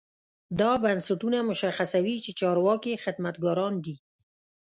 دا بنسټونه مشخصوي چې چارواکي خدمتګاران دي.